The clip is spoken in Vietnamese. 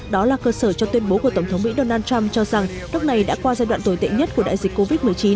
đó là cơ sở cho tuyên bố của tổng thống mỹ donald trump cho rằng nước này đã qua giai đoạn tồi tệ nhất của đại dịch covid một mươi chín